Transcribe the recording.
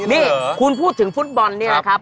นี่คุณพูดถึงฟุตบอลนี่นะครับ